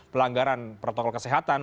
pelanggaran protokol kesehatan